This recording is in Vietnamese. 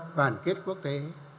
đoàn kết quốc tế